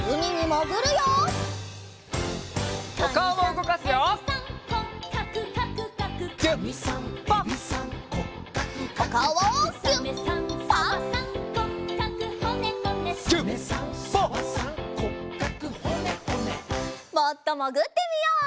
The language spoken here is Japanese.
もっともぐってみよう。